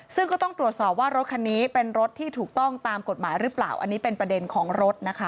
ซึ่งก็ต้องตรวจสอบว่ารถคันนี้เป็นรถที่ถูกต้องตามกฎหมายหรือเปล่าอันนี้เป็นประเด็นของรถนะคะ